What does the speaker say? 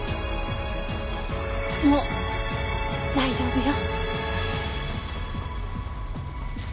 もう大丈夫よ。